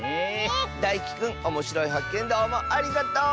だいきくんおもしろいはっけんどうもありがとう！